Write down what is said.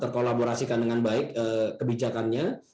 terkolaborasikan dengan baik kebijakannya